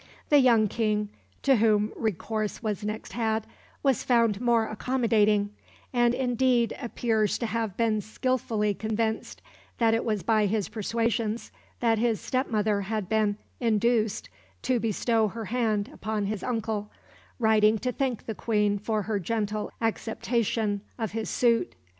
The young King, to whom recourse was next had, was found more accommodating; and indeed appears to have been skilfully convinced that it was by his persuasions that his step mother had been induced to bestow her hand upon his uncle, writing to thank the Queen for her gentle acceptation of his suit.